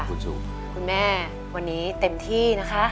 คุณแม่วันนี้เต็มที่นะคะ